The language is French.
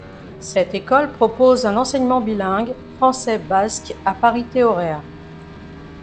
Cette école propose un enseignement bilingue français-basque à parité horaire.